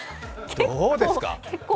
どうですか？